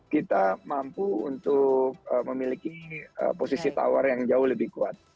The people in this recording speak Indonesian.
kita mampu untuk memiliki posisi yang lebih baik